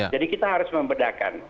jadi kita harus membedakan